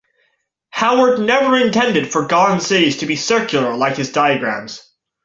Howard never intended for garden cities to be circular like his diagrams.